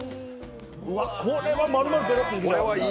これはまるまるペロッといきたい。